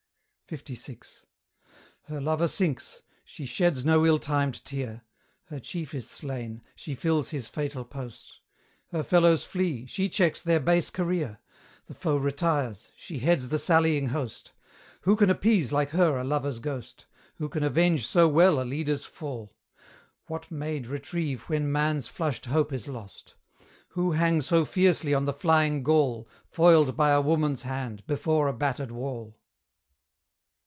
LVI. Her lover sinks she sheds no ill timed tear; Her chief is slain she fills his fatal post; Her fellows flee she checks their base career; The foe retires she heads the sallying host: Who can appease like her a lover's ghost? Who can avenge so well a leader's fall? What maid retrieve when man's flushed hope is lost? Who hang so fiercely on the flying Gaul, Foiled by a woman's hand, before a battered wall?